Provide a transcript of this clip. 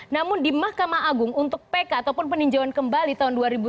namun di mahkamah agung untuk pk ataupun peninjauan kembali tahun dua ribu sembilan belas